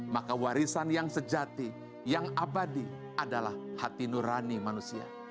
maka warisan yang sejati yang abadi adalah hati nurani manusia